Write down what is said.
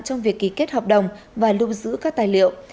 trong việc ký kết hợp đồng và lưu giữ các tài liệu